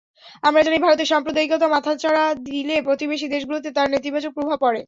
আমরা জানি, ভারতে সাম্প্রদায়িকতা মাথাচাড়া দিলে প্রতিবেশী দেশগুলোতেও তার নেতিবাচক প্রভাব পড়ে।